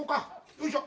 よいしょ。